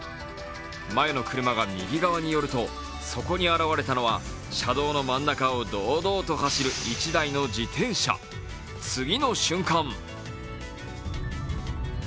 前の車が右側に寄ると、そこに現れたのは車道の真ん中を堂々と走る１台の自転車、次の瞬間。